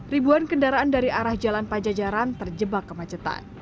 ribuan kendaraan dari arah jalan pajajaran terjebak kemacetan